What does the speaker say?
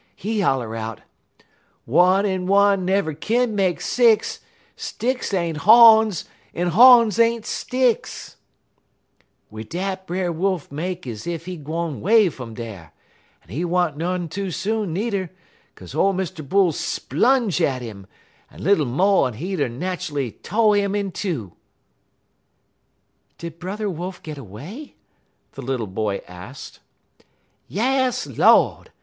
He holler out: "'One en one never kin make six, Sticks ain't hawns, en hawns ain't sticks!' "Wid dat Brer Wolf make ez ef he gwine 'way fum dar, en he wa'n't none too soon, needer, 'kaze ole Mr. Bull splunge at 'im, en little mo' en he'd er nat'ally to' 'im in two." "Did Brother Wolf get away?" the little boy asked. "Yas, Lord!"